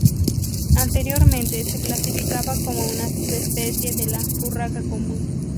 Anteriormente se clasificaba como una subespecie de la urraca común.